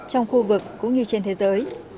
trong khu vực cũng như trên thế giới